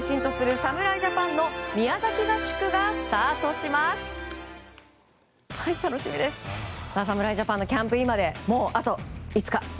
侍ジャパンのキャンプインまでもう、あと５日。